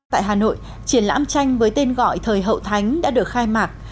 tại hà nội triển lãm tranh với tên gọi thời hậu thánh đã được khai mạc